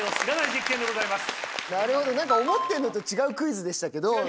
なるほど何か思ってるのと違うクイズでしたけど。